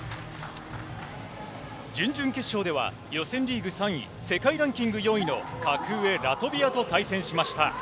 準々決勝では、予選リーグ３位、世界ランキング４位の格上、ラトビアと対戦しました。